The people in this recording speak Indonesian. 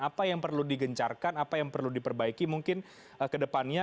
apa yang perlu digencarkan apa yang perlu diperbaiki mungkin ke depannya